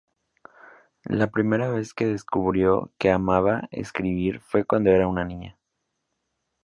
La primera vez que descubrió que amaba escribir fue cuando era una niña.